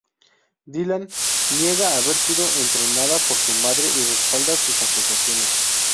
Dylan niega haber sido entrenada por su madre y respalda sus acusaciones.